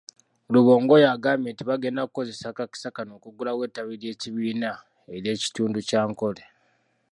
Rubongoya agambye nti bagenda kukozesa akakisa kano okuggulawo ettabi ly'ekibiina ery'ekitundu ky'Ankole.